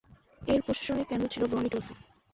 এর প্রশাসনিক কেন্দ্র ছিল ব্রনিটসি।